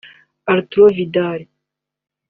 Arturo Vidal